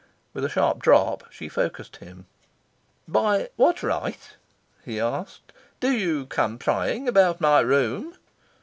With a sharp drop she focussed him. "By what right," he asked, "do you come prying about my room?"